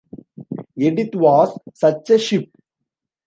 "Edith" was such a ship.